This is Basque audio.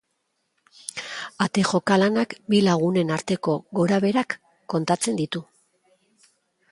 Ate joka lanak bi lagunen arteko gorabeherak kontatzen ditu.